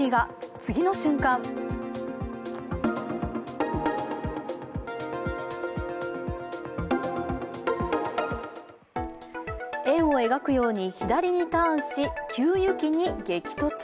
次の瞬間円を描くように左にターンし給油機に激突。